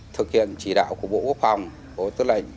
thực hiện chỉ đạo của bộ quốc phòng bộ tư lệnh